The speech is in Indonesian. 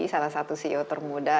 salah satu ceo termuda